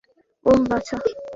ওহ, বাছা।